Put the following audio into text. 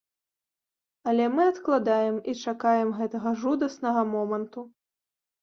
Але мы адкладаем і чакаем гэтага жудаснага моманту.